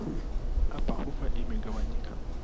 Hapa ufa imegawanyika.